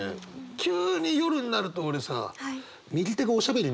急に夜になると俺さ右手がおしゃべりになるんだよ。